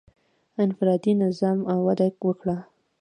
• انفرادي نظام وده وکړه.